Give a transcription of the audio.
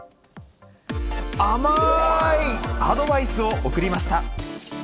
あまーいアドバイスを送りました。